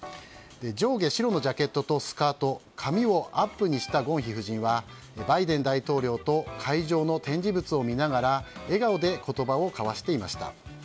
上下白のジャケットとスカート髪をアップにしたゴンヒ夫人は、バイデン大統領と会場の展示物を見ながら笑顔で言葉を交わしていました。